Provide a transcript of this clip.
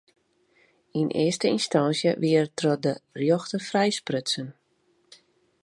Yn earste ynstânsje wie er troch de rjochter frijsprutsen.